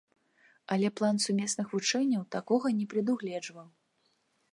Аднак план сумесных вучэнняў такога не прадугледжваў.